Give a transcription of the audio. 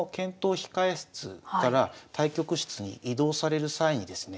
控え室から対局室に移動される際にですね